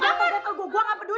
berkali kali gue kasih tau sama lo